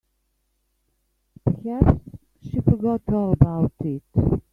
Perhaps she forgot all about it.